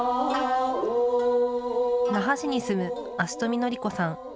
那覇市に住む安次富紀子さん。